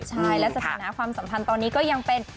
ใช่และสถานะความสัมพันธ์ตอนนี้ก็ยังเป็น